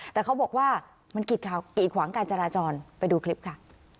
แต่เขาบอกว่ามันกีดขวางการจราจรไปดูคลิปค่ะ